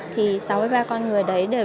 thì sáu mươi ba con người đấy được